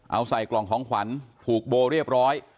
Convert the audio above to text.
เอาใส่กล่องของขวัญผูกโบเรียบร้อย